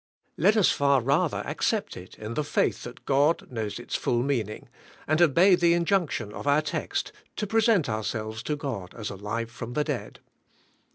Let us far rather accept it in the faith that God knows its full meaning, and obey the injunction of our text, to present ourselves to God as alive from the dead.